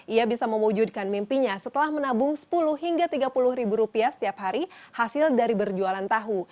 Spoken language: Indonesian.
ia bisa mewujudkan mimpinya setelah menabung sepuluh hingga tiga puluh ribu rupiah setiap hari hasil dari berjualan tahu